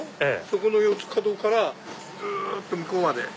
そこの四つ角からずっと向こうまで。